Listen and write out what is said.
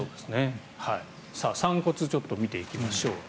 散骨ちょっと見ていきましょう。